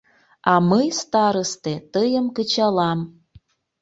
А мый, старысте, тыйым кычалам...